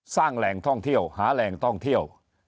สร้างแหล่งท่องเที่ยวหาแหล่งท่องเที่ยว